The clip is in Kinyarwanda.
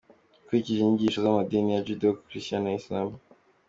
Ukurikije inyigisho z’amadini ya Judeo-Christian na Islam.